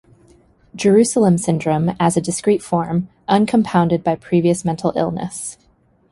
Jerusalem syndrome as a discrete form, uncompounded by previous mental illness.